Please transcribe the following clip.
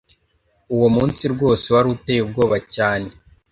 uwo munsi rwose wari uteye ubwoba cyane